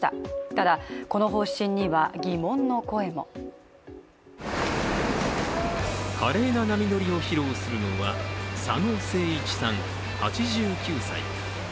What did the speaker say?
ただ、この方針には疑問の声も華麗な波乗りを披露するのは佐野誠一さん８９歳。